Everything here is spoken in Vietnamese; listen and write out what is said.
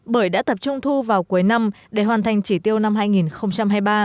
bởi đã tập trung thu vào cuối năm để hoàn thành chỉ tiêu năm hai nghìn hai mươi ba